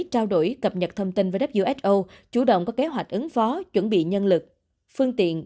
trao đổi cập nhật thông tin với who chủ động có kế hoạch ứng phó chuẩn bị nhân lực phương tiện